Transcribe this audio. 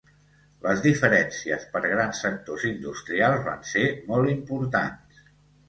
Les diferències per grans sectors industrials van ser molt importants.